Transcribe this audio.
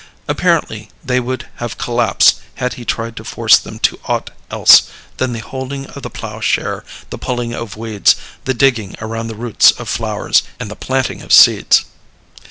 Apparently they would have collapsed had he tried to force them to aught else than the holding of the ploughshare, the pulling of weeds, the digging around the roots of flowers, and the planting of seeds.